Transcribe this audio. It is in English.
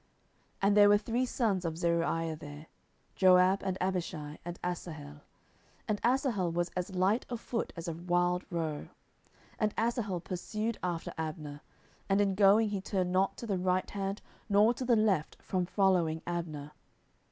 10:002:018 And there were three sons of Zeruiah there, Joab, and Abishai, and Asahel: and Asahel was as light of foot as a wild roe. 10:002:019 And Asahel pursued after Abner; and in going he turned not to the right hand nor to the left from following Abner.